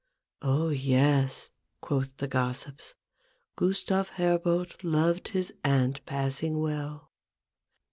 " Oh, yes," (quoth the gossips), " Gustave Herbout loved his aunt passing well